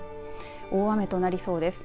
大雨となりそうです。